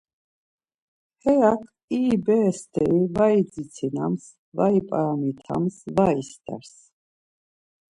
Heyak iri bere steri var idzitsinams, var ip̌aramitams, var isters.